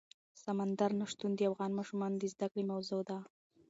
سمندر نه شتون د افغان ماشومانو د زده کړې موضوع ده.